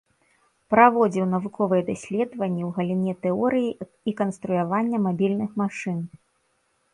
Праводзіў навуковыя даследаванні ў галіне тэорыі і канструявання мабільных машын.